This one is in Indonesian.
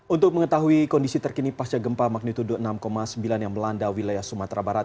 untuk mengetahui kondisi terkini pasca gempa magnitudo enam sembilan yang melanda wilayah sumatera barat